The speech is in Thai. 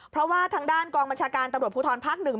เพราะว่าทางด้านกองบัญชาการตำรวจภูทรภาคหนึ่ง